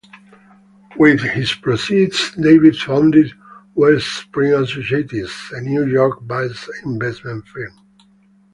With his proceeds, Davis founded Wellspring Associates, a New York-based investment firm.